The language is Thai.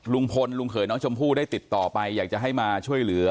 ลุงพลลุงเขยน้องชมพู่ได้ติดต่อไปอยากจะให้มาช่วยเหลือ